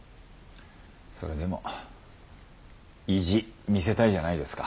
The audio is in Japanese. それでも意地見せたいじゃないですか。